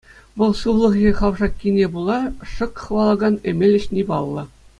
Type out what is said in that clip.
Вӑл сывлӑхӗ хавшаккине пула шӑк хӑвалакан эмел ӗҫни паллӑ.